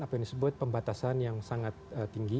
apa yang disebut pembatasan yang sangat tinggi